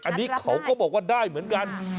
อันนี้เขาก็บอกว่าได้เหมือนกัน